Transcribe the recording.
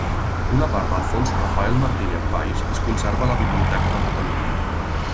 Una part del Fons Rafael Martínez Valls es conserva a la Biblioteca de Catalunya.